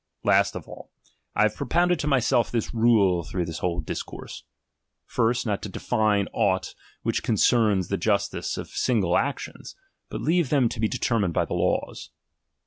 Last of all, I have propounded to myself this rule through this whole discourse. First, not to define aught which concerns the justice of single actions, but leave them to be determined by the laws.